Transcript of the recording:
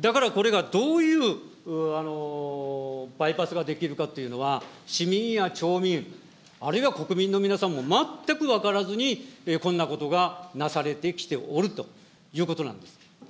だからこれがどういうバイパスが出来るかというのは、市民や町民、あるいは国民の皆さんも全く分からずに、こんなことがなされてきておるということなんです。